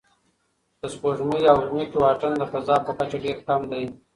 د سپوږمۍ او ځمکې واټن د فضا په کچه ډېر کم دی.